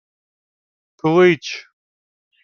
— Клич.